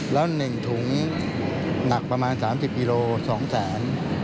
แล้ว๑ถุงหนักประมาณ๓๐กิโล๒แสน